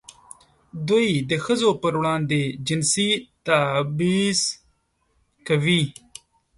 دوی د ښځو پر وړاندې جنسي تبعیض کوي.